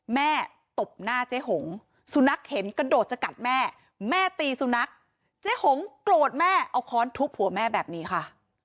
แม่ตีสุนัขเจ๊หงโกรธแม่เอาค้อนทุกข์หัวแม่แบบนี้ค่ะ